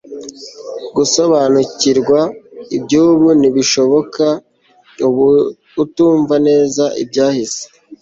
Gusobanukirwa ibyubu ntibishoboka utumva neza ibyahise